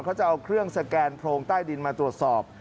เขาจะเอาเครื่องสแกนโพรงใต้ดินมาตรวจสอบ